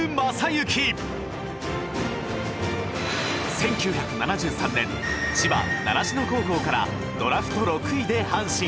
１９７３年千葉習志野高校からドラフト６位で阪神へ。